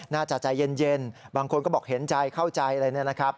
น่าจะใจเย็นบางคนก็บอกเห็นใจเข้าใจอะไรเนี่ยนะครับ